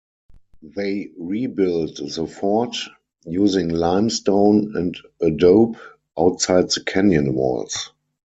They rebuilt the fort, using limestone and adobe, outside the canyon walls.